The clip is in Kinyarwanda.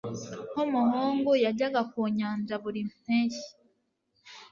Nkumuhungu, yajyaga ku nyanja buri mpeshyi.